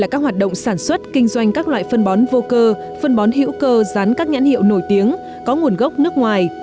các hoạt động sản xuất kinh doanh các loại phân bón vô cơ phân bón hữu cơ rán các nhãn hiệu nổi tiếng có nguồn gốc nước ngoài